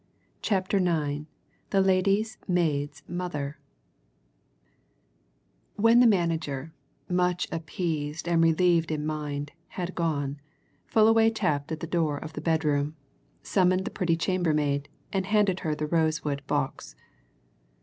CHAPTER IX THE LADY'S MAID'S MOTHER When the manager, much appeased and relieved in mind, had gone, Fullaway tapped at the door of the bedroom, summoned the pretty chambermaid, and handed her the rosewood box.